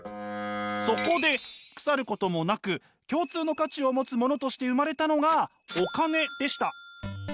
そこで腐ることもなく共通の価値を持つものとして生まれたのがお金でした。